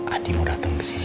adi mau dateng kesini